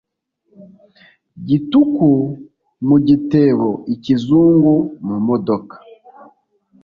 Gituku mu gitebo-Ikizungu mu modoka.